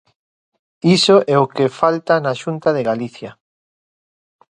Iso é o que falta na Xunta de Galicia.